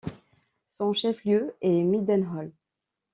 Son chef-lieu est Mildenhall.